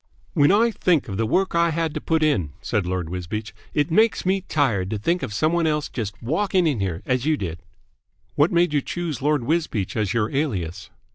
"When I think of the work I had to put in," said Lord Wisbeach, "it makes me tired to think of some one else just walking in here as you did." "What made you choose Lord Wisbeach as your alias?"